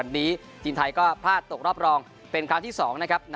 ทีมไทยก็พลาดตกรอบรองเป็นครั้งที่สองนะครับ